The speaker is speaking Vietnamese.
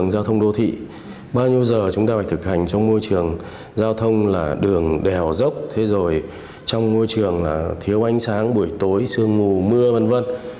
giao thông là đường đèo dốc thế rồi trong môi trường là thiếu ánh sáng buổi tối sương mù mưa v v